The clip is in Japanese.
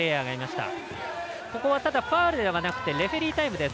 ただファウルではなくてレフェリータイムです。